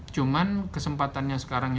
cuman kesempatannya sekarang itu